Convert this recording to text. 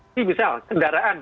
ini misal kendaraan